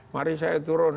mari saya turun